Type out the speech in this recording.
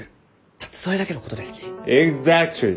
たったそれだけのことですき。